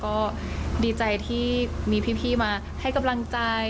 ก็ดีใจที่มีพี่มาให้กำลังใจ